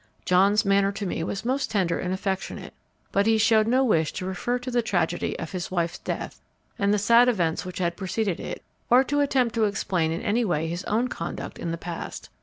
John's manner to me was most tender and affectionate; but he showed no wish to refer to the tragedy of his wife's death and the sad events which had preceded it, or to attempt to explain in any way his own conduct in the past.